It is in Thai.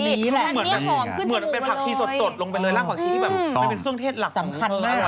อันนี้แหละเป็นผักชีสดลงไปเลยรากผักชีแบบคือเครื่องเทศหลักของหัว